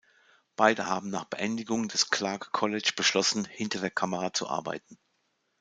Beide haben nach Beendigung des "Clark College" beschlossen, hinter der Kamera zu arbeiten.